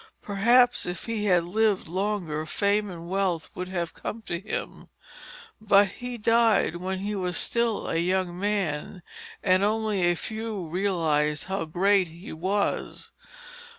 Perhaps if he had lived longer fame and wealth would have come to him, but he died when he was still a young man, and only a few realised how great he was.